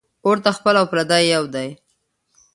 اور ته خپل او پردي یو دي